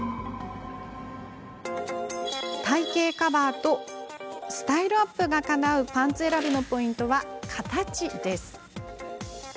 体形カバーとスタイルアップがかなうパンツ選びのポイントは形です。